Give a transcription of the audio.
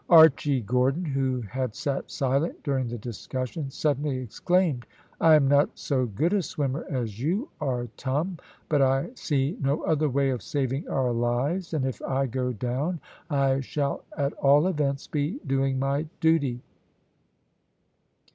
Archy Gordon, who had sat silent during the discussion, suddenly exclaimed, "I am not so good a swimmer as you are, Tom, but I see no other way of saving our lives, and if I go down I shall at all events be doing my duty."